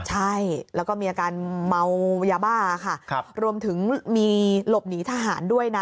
ใช่แล้วก็มีอาการเมายาบ้าค่ะรวมถึงมีหลบหนีทหารด้วยนะ